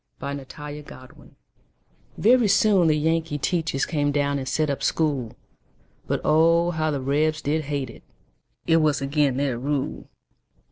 Y Z Learning to Read VERY soon the Yankee teachers Came down and set up school; But, oh! how the Rebs did hate it, It was agin' their rule.